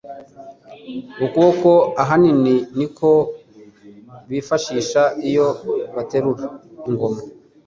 Ukuboko :ahanini niko bifashisha iyo baterura ingoma.